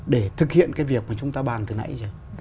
để thực hiện cái việc mà chúng ta bàn từ nãy giờ